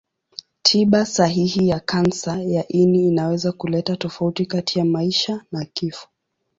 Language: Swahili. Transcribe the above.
Tiba sahihi ya kansa ya ini inaweza kuleta tofauti kati ya maisha na kifo.